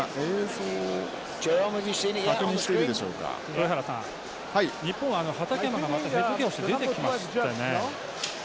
豊原さん日本は畠山がまたヘッドギアをして出てきましたね。